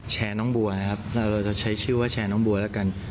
แชร์น้องบัวนะครับเราจะใช้ชื่อว่าแชร์น้องบัวแล้วกัน